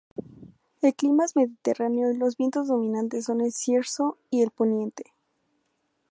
El clima es mediterráneo y los vientos dominantes son el cierzo y el poniente.